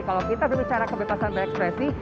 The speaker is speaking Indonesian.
kalau kita berbicara kebebasan berekspresi